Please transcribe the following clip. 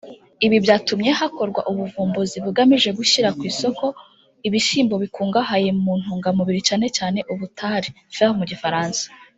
Ibi byatumye hakorwa ubuvumbuzi bugamije gushyira ku isoko ibishyimbo bikungahaye mu ntungamubiri cyane cyane ubutare (Fer mu Gifaransa)